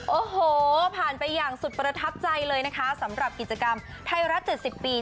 โอ้โหผ่านไปอย่างสุดประทับใจเลยนะคะสำหรับกิจกรรมไทยรัฐ๗๐ปี